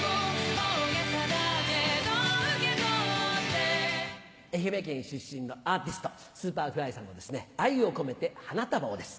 大袈裟だけど受け取って愛媛県出身のアーティストＳｕｐｅｒｆｌｙさんの『愛をこめて花束を』です。